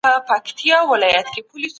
خیراتونه ټولنیزې اړیکې پیاوړې کوي.